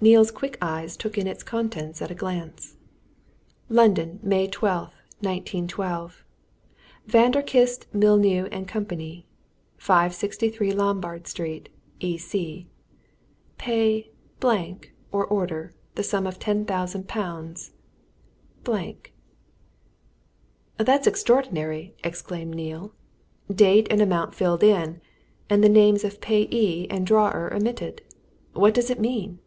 Neale's quick eyes took in its contents at a glance. LONDON: May 12th, 1912. VANDERKISTE, MULLINEAU & COMPANY, 563 LOMBARD STREET, E.C. Pay .............................. or Order the sum of Ten Thousand Pounds £10,000.00. ................... "That's extraordinary!" exclaimed Neale. "Date and amount filled in and the names of payee and drawer omitted! What does it mean?"